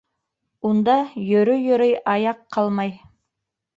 Унда йөрөй-йөрөй аяҡ ҡалмай.